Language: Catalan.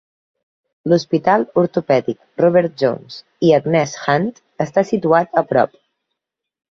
L'Hospital Ortopèdic Robert Jones i Agnes Hunt està situat a prop.